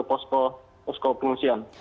mengungsi ke posko pengungsian